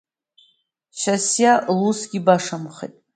Шьасиа лусгьы башамхеит.